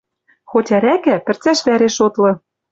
«Хоть ӓрӓкӓ, пӹрцӓш вӓреш шотлы...